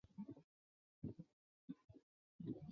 听起来真得很过瘾呢